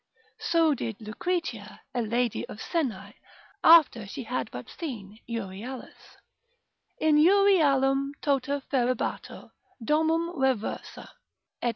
So did Lucretia, a lady of Senae, after she had but seen Euryalus, in Eurialum tota ferebatur, domum reversa, &c.